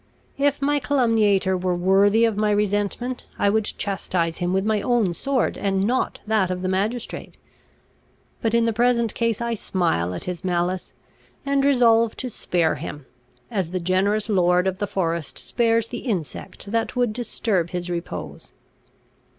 If my calumniator were worthy of my resentment, I would chastise him with my own sword, and not that of the magistrate; but in the present case I smile at his malice, and resolve to spare him, as the generous lord of the forest spares the insect that would disturb his repose."